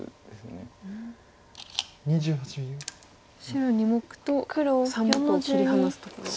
白２目と３目を切り離すところ。